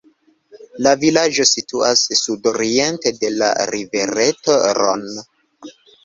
La vilaĝo situas sudoriente de la rivereto Ron.